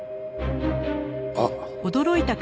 あっ。